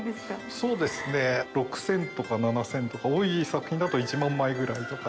そうですね６，０００とか７，０００とか多い作品だと１万枚くらいとか。